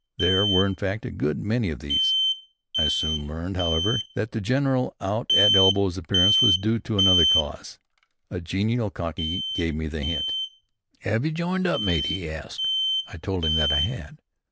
There were, in fact, a good many of these. I soon learned, however, that the general out at elbows appearance was due to another cause. A genial Cockney gave me the hint. "'Ave you joined up, matey?" he asked. I told him that I had.